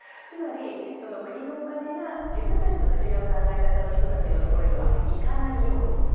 つまり、国のお金が自分たちと違う考え方の人たちのところにはいかないように。